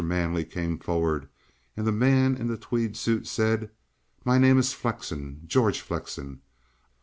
Manley came forward, and the man in the tweed suit said: "My name is Flexen, George Flexen.